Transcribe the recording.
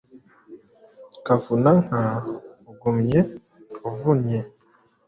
Kavuna-nka, ugumye uvunye